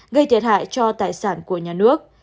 gây thiệt hại cho tài sản của nhà nước